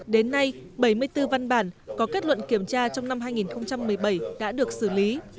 đến nay bảy mươi bốn văn bản có kết luận kiểm tra trong năm hai nghìn một mươi bảy đã được xử lý